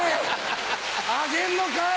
あげんのかい！